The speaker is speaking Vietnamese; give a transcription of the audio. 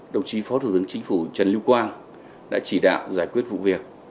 đồng chí phó thủ tướng chính phủ trần lưu quang đã chỉ đạo giải quyết vụ việc